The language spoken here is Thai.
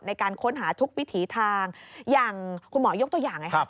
ในการค้นหาทุกวิถีทางอย่างคุณหมอยกตัวอย่างไงครับ